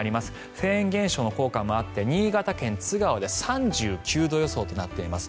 フェーン現象の効果もあって新潟県津川で３９度予想となっています。